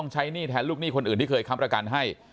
ใช้หนี้แทนลูกหนี้คนอื่นที่เคยค้ำประกันให้